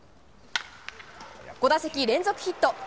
５打席連続ヒット。